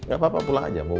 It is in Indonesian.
gak apa apa pulang aja mau